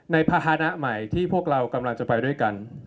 ภาษณะใหม่ที่พวกเรากำลังจะไปด้วยกัน